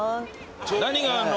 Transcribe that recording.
何があんの？